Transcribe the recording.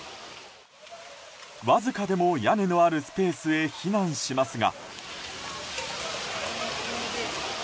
わずかでも屋根のあるスペースへ避難しますが。